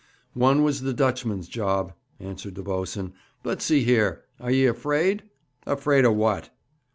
'One was the Dutchman's job,' answered the boatswain. 'But see here! Are ye afraid?' 'Afraid o' what?'